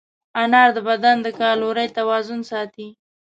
انار د بدن د کالورۍ توازن ساتي.